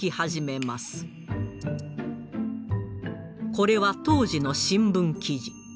これは当時の新聞記事。